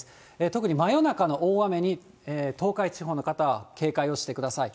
特に真夜中の大雨に、東海地方の方は警戒をしてください。